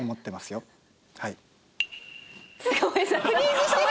はい。